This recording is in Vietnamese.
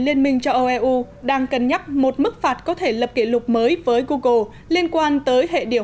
liên minh châu âu eu đang cân nhắc một mức phạt có thể lập kỷ lục mới với google liên quan tới hệ điều